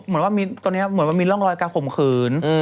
เหมือนว่ามีตอนนี้เหมือนว่ามีร่องรอยกล้าขมขืน